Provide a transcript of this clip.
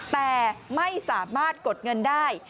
แต่ไม่สามารถกดเงินได้